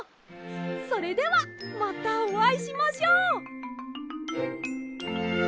それではまたあおいしましょう。